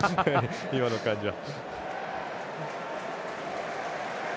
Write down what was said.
今の感じは。